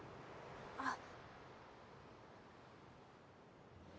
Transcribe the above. あっ。